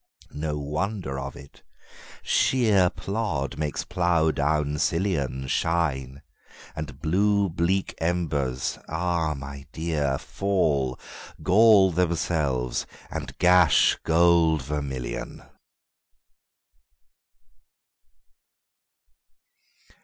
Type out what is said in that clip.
No wonder of it: shéer plód makes plough down sillionShine, and blue bleak embers, ah my dear, Fall, gall themselves, and gash gold vermillion.